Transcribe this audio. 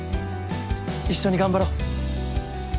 一緒に頑張ろう。